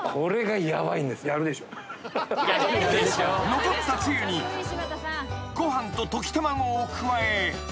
［残ったつゆにご飯と溶き卵を加え］